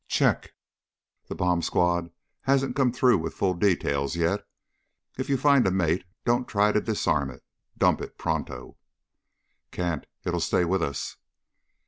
"Check." "The bomb squad hasn't come through with full details yet. If you find a mate, don't try to disarm it. Dump it, pronto!" "Can't. It'll stay with us."